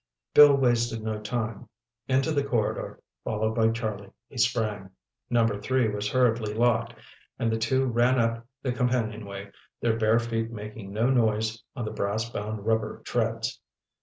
Bill wasted no time. Into the corridor, followed by Charlie, he sprang. Number 3 was hurriedly locked and the two ran up the companionway, their bare feet making no noise on the brass bound rubber treads.